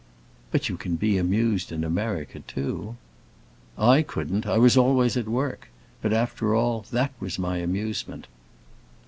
"But you can be amused in America, too." "I couldn't; I was always at work. But after all, that was my amusement."